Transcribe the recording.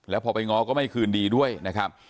แล้วพอไปง้อก็ไม่คืนดีด้วยนะครับ